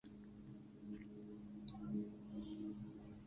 katika wilaya ya Lubero huko Kivu Kaskazini